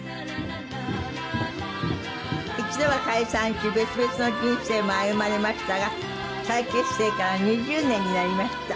一度は解散し別々の人生も歩まれましたが再結成から２０年になりました。